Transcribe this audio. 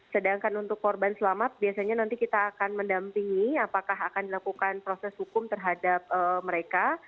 sedangkan untuk korban selamat biasanya nanti kita akan mendampingi apakah akan dilakukan proses hukum terhadap mereka